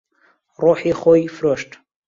ڕۆحی خۆی فرۆشت.